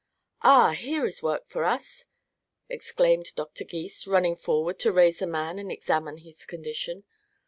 "Ah, here is work for us!" exclaimed Doctor Gys, running forward to raise the man and examine his condition.